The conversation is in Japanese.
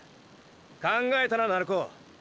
考えたな鳴子！